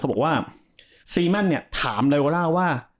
บอกว่าซีแมนเนี่ยถามไลโวล่าว่า